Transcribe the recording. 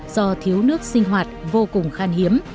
do thiếu nước sinh hoạt vô cùng khan hiếm